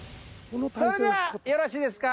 それではよろしいですか？